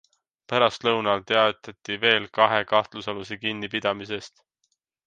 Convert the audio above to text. Pärastlõunal teatati veel kahe kahtlusaluse kinnipidamisest.